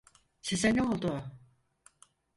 Size ne oldu?